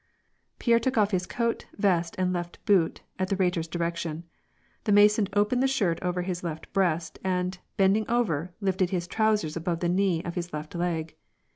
Pierre took off his coat, vest, and left boot, at the Rhetor's direction. The Mason opened the shirt over his left breast, and, bending over, lifted his trousers above the knee of his left leg.